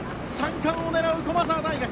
３冠を狙う駒澤大学